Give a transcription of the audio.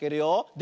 で